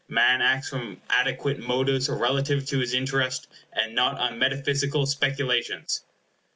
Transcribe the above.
Man acts from adequate motives relative to his interest, and not on metaphysical speculations.